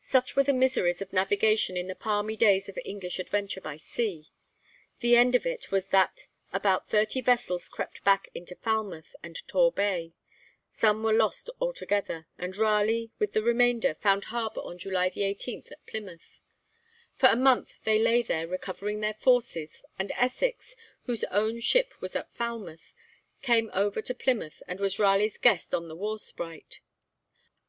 Such were the miseries of navigation in the palmy days of English adventure by sea. The end of it was that about thirty vessels crept back to Falmouth and Tor Bay, some were lost altogether, and Raleigh, with the remainder, found harbour on July 18 at Plymouth. For a month they lay there, recovering their forces, and Essex, whose own ship was at Falmouth, came over to Plymouth and was Raleigh's guest on the 'War Sprite.'